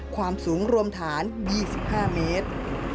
ความสูงรวมฐาน๒๕เมตร